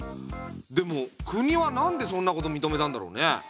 でも国は何でそんなこと認めたんだろうね？